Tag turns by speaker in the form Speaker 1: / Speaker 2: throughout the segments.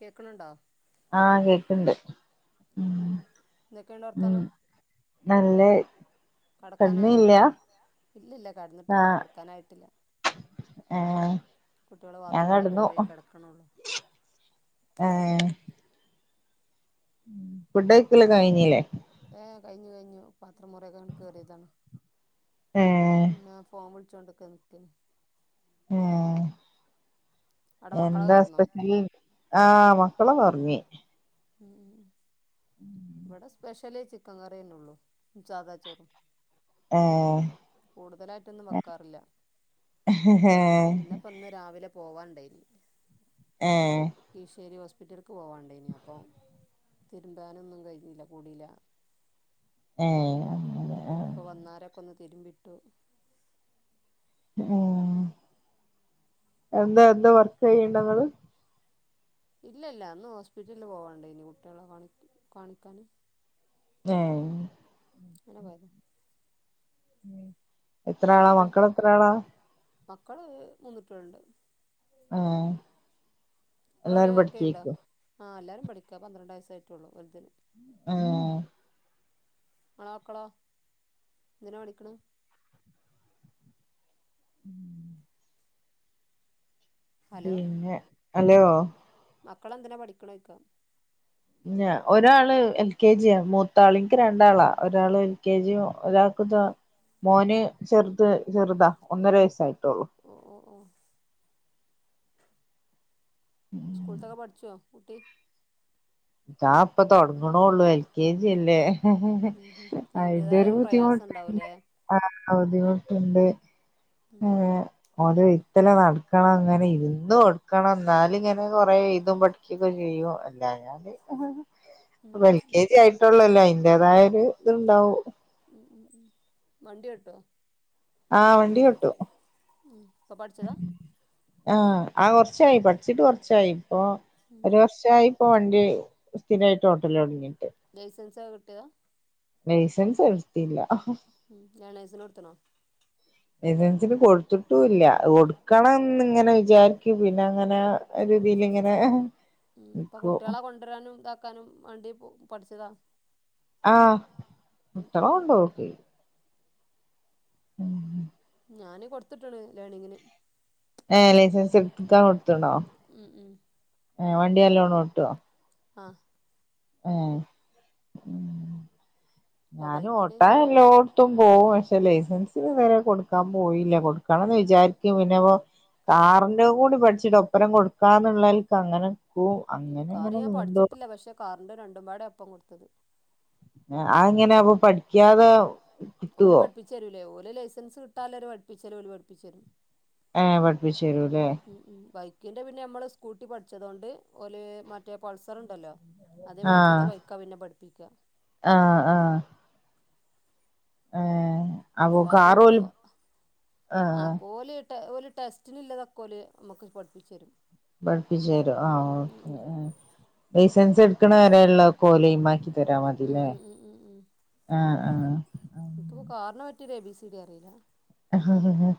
Speaker 1: കേക്ക്ണ് ഉണ്ടോ?
Speaker 2: ആഹ് കേക്ക്ണ്ട്
Speaker 1: ഉം ഉം എന്തൊക്കെണ്ട് വർത്താനം
Speaker 2: ല്ലെ ഒന്നുല്യാ
Speaker 1: ഇല്ല് ഇല്ല കെട്ന്നിട്ടില്ല കെടക്കാനായിട്ടില്ല
Speaker 2: ഏഹ്
Speaker 1: കുട്ടികള്
Speaker 2: ഞാൻ
Speaker 1: ബാത്ത്റൂമിലൊക്കെ
Speaker 2: കെട്ന്നു
Speaker 1: പോയി കിടക്കണുള്ളൂ
Speaker 2: ഏഹ് ഫുഡ് കയിക്കലൊക്കെ കയിഞ്ഞീലെ
Speaker 1: ഏഹ് കഴിഞ്ഞ് കഴിഞ്ഞു പത്രം മോറിയൊക്കങ്ങണ്ട് കേറിയതാണ്
Speaker 2: ഏഹ്
Speaker 1: ഞാൻ ഫോൺ വിളിച്ചോണ്ട്ക്ക നിക്കെണ്
Speaker 2: ഏഹ്
Speaker 1: അവിടെ മക്കളൊക്കെ
Speaker 2: എന്താ
Speaker 1: കടന്നോ
Speaker 2: സ്പെഷ്യല് ആഹ് മക്കളൊക്കെ ഒറങ്ങി
Speaker 1: ഉം ഉം ഉം
Speaker 2: ഉം
Speaker 1: ഇവടെ സ്പെഷ്യല് ചിക്കൻ കറിയെന്നൊള്ളു ചാദാ ചോറും
Speaker 2: ഏഹ്
Speaker 1: കൂടുതലായിട്ടൊന്നും വെക്കാറില്ല
Speaker 2: ഏഹ്
Speaker 1: പിന്നെപ്പന്ന് രാവിലെ പോവാണ്ടായിര്ന്ന്
Speaker 2: ഏഹ്
Speaker 1: കീശ്ശേരി ഹോസ്പിറ്റൽക്ക് പോവാണ്ടേയ്ന് അപ്പം തിര്മ്പാനൊന്നും കയ്ഞീല കൂടീല
Speaker 2: ഏഹ് അങ്ങനെ ആഹ്
Speaker 1: അപ്പപ്പൊ വന്നേരൊക്കൊന്ന് തിരിമ്പിട്ടു
Speaker 2: ആഹ് എന്താ എന്താ വർക്കെയ്യ്ണ്ടങ്ങള്?
Speaker 1: ഇല്ല ഇല്ല ഇന്ന് ഹോസ്പിറ്റലില് പോവാണ്ടെയ്ന് കുട്ട്യാളെ കാണി കാണിക്കാന്
Speaker 2: ഏഹ്
Speaker 1: അങ്ങനെ പോയത
Speaker 2: ഉം എത്രാളാ
Speaker 1: വൺ
Speaker 2: മക്കളെത്രാളാ?
Speaker 1: മക്കള് മൂന്ന്ട്ട്യോള്ണ്ട്
Speaker 2: ആഹ്
Speaker 1: ഇങ്ങളെവ്ടേലും വർക്കെയ്യ്ണ്ടോ? ആഹ് എല്ലാരും പഠിക്കാ പന്ത്രണ്ടയ്സ്സായിട്ടൊള്ളു വൽതിന്
Speaker 2: ആഹ്
Speaker 1: ഇങ്ങളെ മക്കളോ എന്തിനാ പഠിക്ക്ണ്?
Speaker 2: ഉം
Speaker 1: ഹലോ
Speaker 2: പിന്നെ ഹലോ
Speaker 1: മക്കളെന്തിനാ പഠിക്ക്ണൊയ്ക്ക
Speaker 2: ഒരാള് എൽ കെ ജിയാ മൂത്താള് ഇൻക്ക് രണ്ടാളാ ഒരാള് എൽ കെ ജിയും ഒരാൾക്ക്താ മോന് ചെർത് ചെർതാ ഒന്നര വയസ്സായിട്ടൊള്ളു
Speaker 1: ഓഹ് ഓഹ് ഓഹ് സ്കൂൾത്തൊക്കെ പഠ്ച്ചോ കുട്ടി?
Speaker 2: ഇതാപ്പൊ തൊടങ്ങ്ണൊള്ളു, എൽ കെ ജി അല്ലേ?
Speaker 1: ഉം ഉം അതിന്റേതായ
Speaker 2: അയ്ൻ്റൊരു
Speaker 1: ഒരു പ്രയാസം
Speaker 2: ബുദ്ധിമുട്ട്ണ്ട്
Speaker 1: ഉണ്ടാവൂലേ
Speaker 2: ആഹ് ബുദ്ധിമുട്ട്ണ്ട്
Speaker 1: ഉം
Speaker 2: ഏഹ് ഓൻ്റെ വെയ്ത്തലെ നട് ക്കണം ഇങ്ങനെ ഇര്ന്ന് കൊട്ക്കണം ന്നാല്ങ്ങനെ കൊറേ എയ്തും പഠിക്കൊക്കെ ചെയ്യും അല്ലാഞ്ഞാല്
Speaker 1: ഉം
Speaker 2: ഇപ്പൊ
Speaker 1: ഉം
Speaker 2: എൽ കെ
Speaker 1: ഉം
Speaker 2: ജി ആയിട്ടൊള്ളല്ലൊ അയിന്റേതായ ഒര് ത്ണ്ടാവും
Speaker 1: ഉം ഉം ഉം വണ്ടി ഓട്ടോ?
Speaker 2: ആഹ് വണ്ടി ഓട്ടും
Speaker 1: ഉം ഇപ്പ പഠ്ച്ചതാ?
Speaker 2: ആഹ് ആ കൊർച്ചായി പഠിച്ചിട്ട് കൊർച്ചായി ഇപ്പൊ
Speaker 1: ഉം
Speaker 2: ഒരു വർഷം. ച്ചായ് ഇപ്പോ വണ്ടി സ്ഥിരായിട്ട് ഓട്ടൊലൊട്ങ്ങിയിട്ട്.
Speaker 1: ലൈസൻസക കിട്ടിയതാ.
Speaker 2: ലൈസൻസ് എടുത്തില്ല.
Speaker 1: ലേണേർസിന് കൊട്ത്ത്ണോ?
Speaker 2: ലൈസൻസിന് കൊടുത്ത്ട്ടുംല്ല കൊടുക്കണംന്ന് ങ്ങനെ വി. വിചാരിക്കു പിന്നങ്ങനാ ഒര്തീല്ങ്ങനെ നിക്കൂ
Speaker 1: കൊണ്ട്രാനും ഇതാക്കാനും വാണ്ടി പ പഠിച്ചതാ.
Speaker 2: ആഹ്
Speaker 1: ഉം
Speaker 2: മുട്ട.
Speaker 1: ഉം ഉം
Speaker 2: [unintelligible] ഉംഹ്.
Speaker 1: ഞാന് കൊടുത്തിട്ട്ക്ക്ണ് ലേണിങ്ന്.
Speaker 2: ഏഹ് ലൈസൻസ് ട്ക്കാൻ കൊടുത്ത്ണോ
Speaker 1: ഉം ഉം
Speaker 2: ഏ വണ്ടിയല്ലോണം ഓട്ടോ?
Speaker 1: ആഹ്.
Speaker 2: ഏഹ് ഉംഹ്.
Speaker 1: ഇപ്പൊ
Speaker 2: ഞാനും
Speaker 1: ബൈക്കിന്
Speaker 2: ഓട്ടാ
Speaker 1: ഇഞ്ഞു
Speaker 2: എല്ലോട്ത്തും പോവും പക്ഷെ
Speaker 1: ഉം
Speaker 2: ലൈസൻസിനിതരെ കൊടു. ക്കാ പോയില്ല കൊടുക്കണംന്ന് വിചാരിക്കും പിന്നെപ്പോ കാറ്ന്റെ കൂടി പഠിച്ചിട്ട് ഒപ്പരം കൊടുക്കാന്നുള്ളൽക്ക് അങ്ങനെ പോവും അങ്ങനെ അങ്ങനെ നീണ്ടു.
Speaker 1: കാർണ്ട് രണ്ടും പാടെ ഒപ്പം കൊടുത്തത്.
Speaker 2: ആഹ് അ എങ്ങനെ പ്പൊ പഠിക്കാതെ
Speaker 1: ഓൽ
Speaker 2: കിട്ടുവോ
Speaker 1: പഠിപ്പിച്ചരൂലേ ഓൽ ലൈസൻസ് കിട്ടാലര് പഠിപ്പിച്ചല് ഓല് പഠിപ്പിച്ചരും.
Speaker 2: ഏഹ് പഠിപ്പിച്ചെരുല്ലേ?
Speaker 1: ബൈക്കിൻ്റെ പിന്നെ നമ്മൾ സ്കൂട്ടി പഠിച്ചതോണ്ട് ഓല് മറ്റേ പൾസർ ഉണ്ടല്ലോ.
Speaker 2: ആഹ്
Speaker 1: അതേമാരിക്കത്തെ ബൈക്കാ പിന്നെ പഠിപ്പിക്ക.
Speaker 2: ആഹ് ആഹ്. ഏഹ്
Speaker 1: അപ്പൊ അതൊന്ന്
Speaker 2: ആ
Speaker 1: ആഹ് കോല്ട്ട ട്ടസ് ഓല് ടെസ്റ്റിനുള്ളതക്കോല് നമുക്ക് പഠിപ്പിച്ചരും.
Speaker 2: പഠിപ്പിച്ചേരോ? ആഹ് ഓക്കേ ഏഹ് ലൈസൻസ് എടുക്കണവരെയുളെളാക്കെ ഓലൈമാക്കി തരാ മതി.
Speaker 1: ഉം ഉം ഉം
Speaker 2: ആഹ് ആഹ്.
Speaker 1: ൻക്ക് പ്പോ കാറിനെ പറ്റി ഒരു എ ബി സി ഡി അറീല്ല.
Speaker 2: ആഹ്.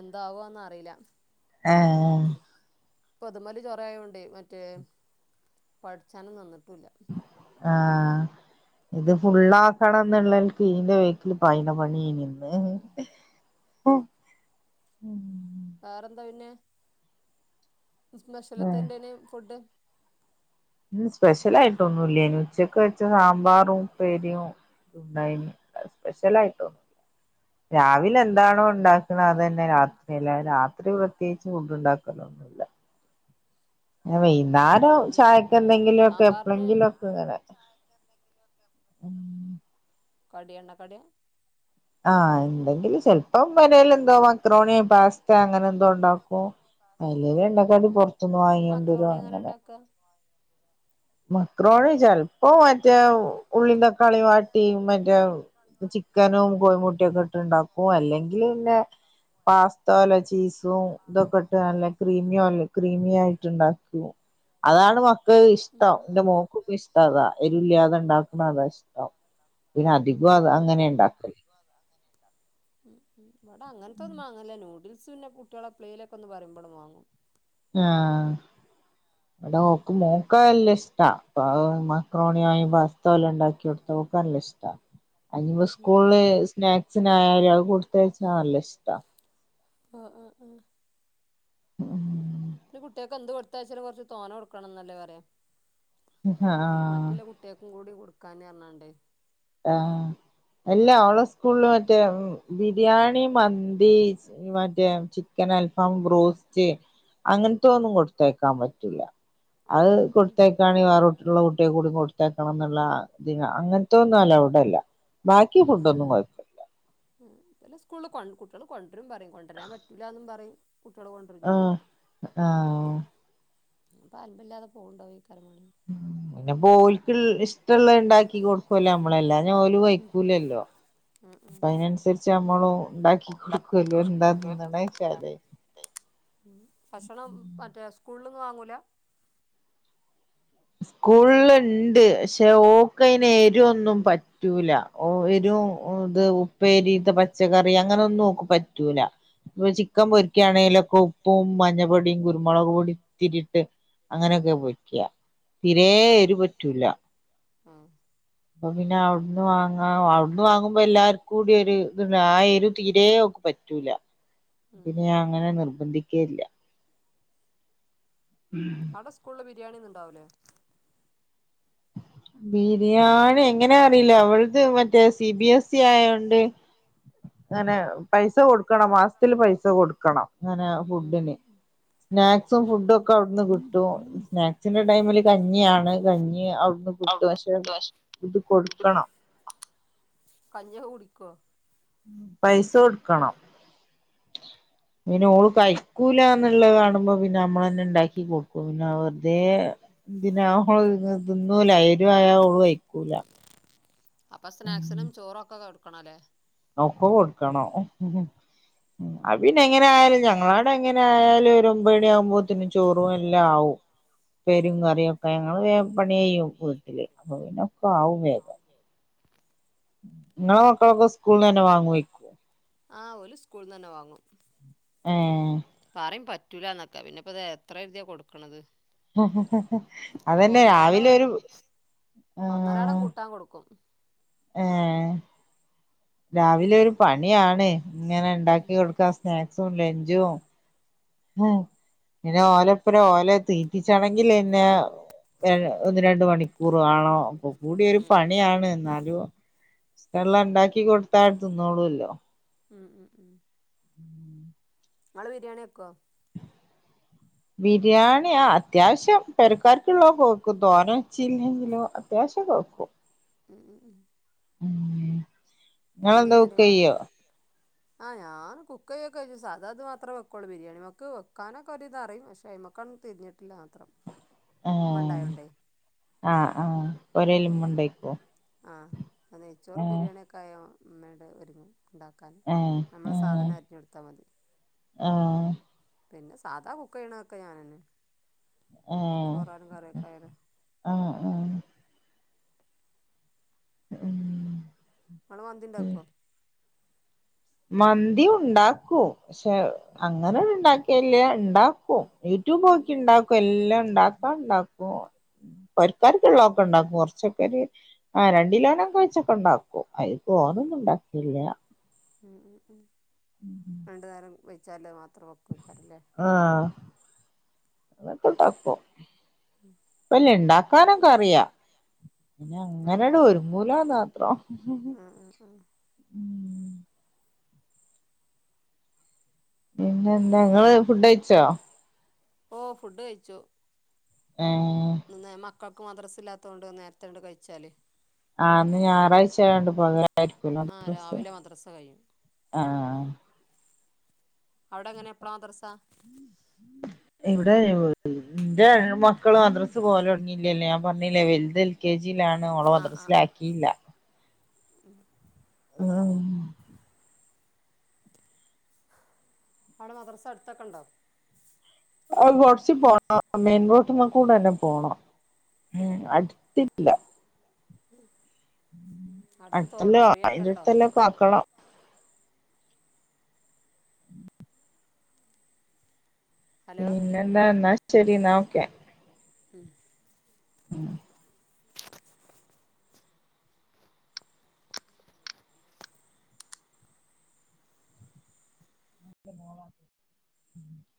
Speaker 1: എന്താവോന്ന അറീല്ല.
Speaker 2: ഏഹ്.
Speaker 1: പ്പൊത് മല് ചൊറായോണ്ട് മറ്റേ. പഠിച്ചാനും നിന്ന്ട്ടുല്ല.
Speaker 2: ആഹ് ഇത് ഫുള്ളാക്കണം ന്നുള്ളൽ. ക്ക് ഈന്റെ വേക്കില് പായ്ണ പണേനിന്ന്.
Speaker 1: ഉം
Speaker 2: ഏഹ്
Speaker 1: വേറെന്താ പിന്നെ ന്ന് സ്പെഷലെത്തേണ്ടേനി ഫുഡ്.
Speaker 2: ന്ന് സ്പെഷ്യലായിട്ടൊന്നുംല്ലേനി. ഉച്ചക്ക് വെച്ച സാമ്പാറും ഉപ്പേരിയും. ണ്ടായ്നി സ്പെഷ്യലായിട്ടോന്നു രാവില എന്താണോ ഉണ്ട. ക്ക്ണ്
Speaker 1: ഉം ഉം
Speaker 2: അതന്നെ
Speaker 1: ഉം
Speaker 2: രാത്രിം. അല്ലാതെ രാത്രി പ്രത്യേകിച്ച് ഫുഡ് ഉണ്ടാക്കൊലൊന്നുല്ല. വൈന്നാരം
Speaker 1: ഉം ഉം ഉം
Speaker 2: ചായക്കെന്തെങ്കിലൊക്കെ
Speaker 1: സാമ്പാറിന്
Speaker 2: എപ്പളെങ്കിലും ഒക്കെ ഇങ്ങനെ. ഉംഹ്.
Speaker 1: കടി എണ്ണ കടിയാ?
Speaker 2: ആഹ് എന്തെങ്കിലും ചെല്പ്പം വനൽ എന്തോ മക്രോണിയ പാസ്. ഒക്കെ അങ്ങനെ എന്തോ ണ്ടാക്കും അല്ലേ എണ്ണക്കടി പൊറത്തുന്ന് വാങ്ങിണ്ടരും
Speaker 1: മക്രോണി എങ്ങനെ
Speaker 2: അങ്ങനെ.
Speaker 1: ഇണ്ടാക്കാ
Speaker 2: മക്രോണി ചെല്പ്പോ മറ്റേ ഉള്ളിം തക്കാളിം വാട്ടി മറ്റേ ചി. ക്കനും കോഴിമുട്ടിയൊക്കെ ഇട്ട് ണ്ടാക്കും അല്ലെങ്കി പിന്നെ പാസ്തോലെ ചീസ്. തും ഇതൊക്കെട്ടനല്ല ക്രീമിയോല്ല ക്രിമിയായിട്ട് ഉണ്ടാക്കും അതാണ് മക്ക
Speaker 1: ഉം
Speaker 2: ഇഷ്ടം
Speaker 1: ഉം ഉം
Speaker 2: എന്റെ മോക്ക് ഇ്ട അതാ എരില്ലാതെ ഉണ്ടാക്കണ അതാ ഇഷ്ടം പിന്നെ അധികം അത്
Speaker 1: ഉം
Speaker 2: അങ്ങനെ ഉണ്ടാക്കല്.
Speaker 1: മ് മ് ഇവിടെ അങ്ങനത്തൊന്നും വാങ്ങില്ലേ നൂഡിൽസ് പിന്നെ കുട്ടിളെ പ്ലേയിലൊക്കെന്ന് പറുമ്പോ വാങ്ങും.
Speaker 2: ആഹ് ഇബടെ ഓക്ക് മോക്ക് ഇഷ്ടാ അ മക്രോണിയായ പാസ്ത വല്ലോം ഉണ്ടാക്കി കൊടുത്ത ഓക്ക് നല്ല ഇഷ്ട അയിപ
Speaker 1: ഉം ഉം
Speaker 2: സ്കൂളില് സ്നാക്സിനായാലും അത് കൊടുത്തയച്ചാ നല്ല ഇഷ്ടാ
Speaker 1: ആഹ് ആഹ് ആഹ്
Speaker 2: ഉം.
Speaker 1: പ്പ കുട്ടിയക്കെ എന്ത് കൊടുത്തച്ചാല് കുറച്ച് തോന്നേ കൊടുക്കണം എന്നല്ലേ പറയാ.
Speaker 2: ആഹ്
Speaker 1: മറ്റുള്ള കുട്ട് ട്ടിയേക്കും കൂടി കൊടുക്കാൻ പറഞ്ഞോണ്ട്
Speaker 2: ആഹ് ഇല്ല ഓള് സ്കൂളില് മറ്റേ ബിരിയാണി, മന്തി മറ്റേ ചിക്കൻ, അൽഫാം, ബ്രോസ്റ്റ് അങ്ങനത്തെ ഒന്നും കൊടുത്തയക്കാൻ പറ്റൂല്ല അത് കൊടുത്ത വേറെ കുട്ടിയെ കൂടി കൊടുത്തേക്കണം എന്നുള്ള ഇതിന് അങ്ങനത്തെ ഒന്നും അല്ല അവിടെല്ല. ബാക്കി ഫുഡ് ഒന്നും കൊ
Speaker 1: ഉംബലെ സ്കൂളിള് കൊ കുട്ടിആൾ കൊണ്ടുരും പറിം കൊണ്ടരാൻ പറ്റൂല്ലന്നും പറിം കുട്ടിആൾ കൊണ്ടുരും. ചെയ്യും
Speaker 2: ആഹ് ആഹ് ഓഹ്
Speaker 1: അപ്പൊ അലമ്പില്ലാതെ പോവണ്ടോ ഏകാര്യംമാണങ്കി.
Speaker 2: പിന്നെ ബോലക്ക് ഇഷ്ടമുള്ളത് ഉണ്ടാക്കി കൊടുക്കൂലോ നമ്മളെല്ലാം ഓല് കഴിക്കൂലല്ലോ.
Speaker 1: ഉംഹും
Speaker 2: ച്ചമ്മളും ഉണ്ടാക്കി കൊടുക്കല്ലോ എന്താനിന്നെച്ചാലേ
Speaker 1: ഭക്ഷണം മറ്റേ സ്കൂളിന്നും വാങ്ങൂല?
Speaker 2: സ്കൂളിൽ ണ്ട് പക്ഷെ ഓക്ക് അതിന് ഏരുഒന്നും പറ്റ പറ്റൂല എരിവും ഇത് ഉപ്പേരി ഇത് പച്ചക്കറി അങ്ങനെ ഒന്നും ഓക്ക് പറ്റൂല. ഇപ്പൊ ചിക്കൻ
Speaker 1: ഉം ഉം
Speaker 2: പൊരിക്കായാണെലപ്പോ ഉപ്പും മഞ്ഞപ്പൊടിയും കുരുമുളക് പൊടിത്തിരിയിട്ട് അങ്ങനെയൊക്കെ പെരിക്ക. തീരേ
Speaker 1: ആഹ്
Speaker 2: എരി
Speaker 1: ആഹ് ആഹ്
Speaker 2: പറ്റൂല.
Speaker 1: ആഹ്
Speaker 2: അപ്പൊ പിന്നെ അവിടുന്ന് വാങ്ങാം അവിടുന്ന് വാങ്ങുമ്പോ എല്ലാവർക്കും കൂടി ഒരു ഇ ആ എരുവ് തീരെ ഓക്ക് പറ്റൂല.
Speaker 1: ഉം
Speaker 2: പിന്നെ
Speaker 1: ഉം
Speaker 2: ഞാൻ
Speaker 1: ഉം
Speaker 2: അങ്ങനെ
Speaker 1: ഉം
Speaker 2: നിർബന്ധിക്കേയില്ല.
Speaker 1: അവിടെ സ്കൂളിൽ ബിരിയാണി യൊന്നു ഉണ്ടാവില്ലേ?
Speaker 2: ബിരിയാണി എങ്ങനെ അറിയില്ല അവളത് മറ്റേ സി ബി എസ് ഇ ആയോണ്ട് തനെയോ പൈസ കൊടുക്കണം മാസത്തില് പൈസ കൊടുക്കണം അങ്ങനെ
Speaker 1: ഉം ഉം
Speaker 2: ഫുഡിന്
Speaker 1: ഉം
Speaker 2: സ്നാക്സും ഫുഡും ഒ ക്ക അവിടുന്ന് കിട്ടും സ്നാക്സിന്റെ ടൈമിൽ കഞ്ഞിയാണ് കഞ്ഞി അവിടുന്ന് കിട്ടും പക്ഷെ ഇത് കൊടുക്കണം.
Speaker 1: കഞ്ഞിയൊക്കെ കുടിക്കോ?
Speaker 2: പൈസ കൊടുക്കണം. പിന്നെ ഓള് കഴിക്കൂലന്നുള്ളത് കാണുമ്പോ പിന്നെ നമ്മള് തന്നെ ഉണ്ടാക്കി കൊടുക്കും. പിന്നെ വെറുതേ
Speaker 1: ഉം ഉം
Speaker 2: എന്തിനാ ഇതൊന്നും തിന്നൂല എരിവായാ ഓള് കഴിക്കൂല.
Speaker 1: അപ്പം സ്നാക്സിനും ചോറും ഒക്കെ കൊടുക്കണം അല്ലേ
Speaker 2: അവക്ക് കൊടുക്കണം ഹും ഹ് പിന്നെഎങ്ങനെ ആയാലും ഞങ്ങളുടെ എങ്ങനെ ആയാലും ഒമ്പത് മണി ആകുമ്പോത്തിനും ചോറും എല്ലാം ആകും..
Speaker 1: ഉം
Speaker 2: ഉപ്പേരിയും
Speaker 1: ഉം ഉം
Speaker 2: കറിയൊക്കെ ഞങ്ങള് വേഗം പണി ചെയ്യും വീട്ടില് അപ്പൊ പിന്നെ ഒക്കെ ആവും വേഗം. ങ്ങളെ മക്കളൊക്ക സ്കൂള്നന്നെ വാങ്ങുവായ്ക്കും
Speaker 1: ആ ഓല് സ്കൂള്നന്നെ വാങ്ങും
Speaker 2: ഏഹ്
Speaker 1: പറയും പറ്റൂലന്നൊക്ക പിന്നെപ്പ ഇത് എത്ര കരുതിയാ കൊടുക്കണത് അപ്പൊ
Speaker 2: അതന്നെ
Speaker 1: ഒന്നരാടം
Speaker 2: രാവിലെ ഒരു ആഹ്
Speaker 1: ത്താൻ കൊടുക്കും
Speaker 2: ആഹ് രാവിലെ ഒരു പണിയാണേ ങ്ങനെ ഇണ്ടാക്കി കൊടുക്കാ സ്നാക്സും ലഞ്ചും പിന്നെ ഓലപ്പര ഓലെ തീറ്റിച്ചാലങ്കിലെന്നെ ഏഹ് ഒന്ന് രണ്ട് മണിക്കൂറു വാണം പ്പൊ കൂടിയൊരു
Speaker 1: ഉം ഉം
Speaker 2: പണിയാണ് ന്നാലും എള്ളം ഇണ്ടാക്കി കൊടുത്താ അവര് തിന്നോള്ളുല്ലോ
Speaker 1: ഉം ഉം ഉം
Speaker 2: ഉം
Speaker 1: ങ്ങള് ബിരിയാണി വെക്കൊ
Speaker 2: ബിരിയാണി ആഹ് അത്യാവശ്യം പെരക്കാർക്കുള്ളതൊക്ക വെക്കും തോനെ ച്ചിലെങ്കിലും അത്യാവശ്യൊക്ക വക്കും
Speaker 1: ഉം ഉം ഉം
Speaker 2: ഉം
Speaker 1: മന്തി
Speaker 2: നിങ്ങളെന്താ കുക്ക്
Speaker 1: കാര്യങ്ങളൊക്കെ
Speaker 2: ചെയ്യോ
Speaker 1: ആഹ് ഞാന് കുക്കെയ്യൊക്കെ ഇയും സാധാ ദ് മാത്രേ വെക്കോള്ളു ബിരിയാണി മക്ക് വെക്കാനൊക്കെ ഒരിത് അറിയും പക്ഷെ അയ്മ ക്കൊന്നും തിരിഞ്ഞിട്ടില്ല മാത്രം ഉമ്മ ഇണ്ടായോണ്ടേ
Speaker 2: ആഹ് ആഹ് പൊരെലുമ്മ ണ്ടായിക്കോ
Speaker 1: ആഹ് ആ നെയ്ച്ചോറും ബിരിയാണ്യൊക്കായ ഉമ്മേടെ ഒരുങ്ങും ഇണ്ടാക്കാൻ
Speaker 2: ആ
Speaker 1: നമ്മളാ
Speaker 2: ആ
Speaker 1: സ് സാധനം അരിഞ്ഞൊടുത്താ മതി
Speaker 2: ആ
Speaker 1: പിന്നെ സാധാ കുക്കെയ്യണതൊക്കെ ഞാനന്നെ
Speaker 2: ആ
Speaker 1: ചോറാലും കറിയൊക്കെ ആയാലും
Speaker 2: ആഹ് ആഹ് ഉം
Speaker 1: ങ്ങള് മന്തി
Speaker 2: ഉം
Speaker 1: ഇണ്ടാക്കോ
Speaker 2: മന്തി ഉണ്ടാക്കും ക്ഷെ അങ്ങനെ ഇണ്ടാക്കിയില്ല്യ ഇണ്ടാ ക്കും യൂട്യൂബ്
Speaker 1: ഉം
Speaker 2: നോക്കി ഇണ്ടാ ക്കും എല്ലാം ഇണ്ടാക്കാ ഇണ്ടാക്കും പൊരക്കാർക്ക് ഇള്ളതൊക്ക ഇണ്ടാക്കും കൊറച്ചൊക്കെ ഒര് ആ രണ്ടിലോനൊക്ക വച്ചൊക്ക ഉണ്ടാക്കും
Speaker 1: ഉം ഉം
Speaker 2: അയിതോനൊന്നും
Speaker 1: ഉം
Speaker 2: ഉണ്ടാക്കില്ല
Speaker 1: ഉം ഉം ഉം രണ്ട് നേരം വച്ചാല് മാത്രം [unintelligible] വയ്ക്കാറല്ലേ
Speaker 2: ആഹ് അതൊക്കണ്ടാക്കും പ്പല്ല്യ ഇണ്ടാക്കാനൊക്ക അറിയാം പിന്നെ അങ്ങനട് ഒരു ങ്ങൂലന്ന് മാത്രം
Speaker 1: ഉം, ഉം, ഉം.
Speaker 2: ഉം പിന്നെന്താ, ങ്ങള് ഫുഡ് കയിച്ചോ?
Speaker 1: ഓ, ഫുഡ് കയ്ച്ചു...
Speaker 2: ഏഹ്
Speaker 1: നിന്നേ മ. ക്കക്ക് മദ്രസ ഇല്ലാതോണ്ട്, നേരത്തേണ്ട് കഴിച്ചാല്.
Speaker 2: ആഹ്, ഇന്ന് ഞായറാഴ്ചെ ആയോണ്ട് പകലായിരിക്കുല്ലോ
Speaker 1: ആ
Speaker 2: മദ്രസ
Speaker 1: രാവിലെ മദ്രസ കഴിയും
Speaker 2: ആഹ്, ആഹ്.
Speaker 1: അവടെ എങ്ങനെ, എപ്പളാ മദ്രസ.
Speaker 2: ഇവിടെ ഒര് ന്റെ മക്കള് മദ്രസ് പോവല് തുടങ്ങിട്ല്ല്യല്ലോ? ഞാൻ പറഞ്ഞില്ലേ.. വെല്ത്. കെ ജി ലാണ് ഓള മദ്രസ
Speaker 1: ആ ആ
Speaker 2: ലാക്കില്ല.
Speaker 1: [inaudible]
Speaker 2: ആഹ്.
Speaker 1: അവടെ മദ്രസ അടുത്തൊക്ക ണ്ടോ?
Speaker 2: അത് കൊറച്ച് പോണം. മെയിൻ റോട്ട്മ കൂടെന്നെ, പോണം. ഉം അടുത്തില്ല
Speaker 1: [inaudible] അടുത് തോടാ പുയക്കെ ണ്ടോ?
Speaker 2: പ്പാക്കളം.
Speaker 1: ഹലോ
Speaker 2: പിന്നെന്താ ന്നാ ശരി, ന്നാ ഓക്കെ.
Speaker 1: ഉം.
Speaker 2: [inaudible] [inaudible]